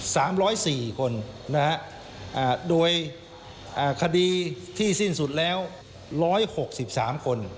สามร้อยสี่คนนะฮะอ่าโดยอ่าคดีที่สิ้นสุดแล้วร้อยหกสิบสามคน